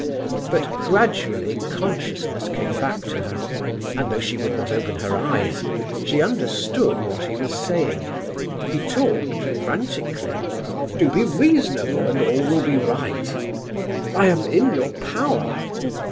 But gradually consciousness came back to her, and though she would not open her eyes she understood what he was saying. He talked frantically: "Do be reasonable, and all will be right.... I am in your power